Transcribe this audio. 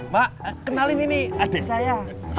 mak kenalin ini adik saya